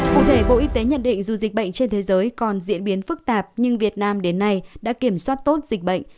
cụ thể bộ y tế nhận định dù dịch bệnh trên thế giới còn diễn biến phức tạp nhưng việt nam đến nay đã kiểm soát tốt dịch bệnh